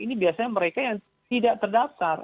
ini biasanya mereka yang tidak terdaftar